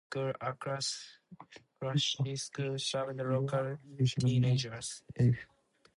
All stickleback species show similar, unusual, mating behaviour.